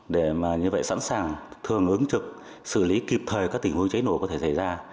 để mà như vậy sẵn sàng thường ứng trực xử lý kịp thời các tình huống cháy nổ có thể xảy ra